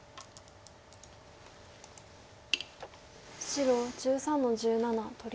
白１３の十七取り。